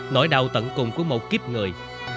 nỗi đau tận cùng của một kiếp người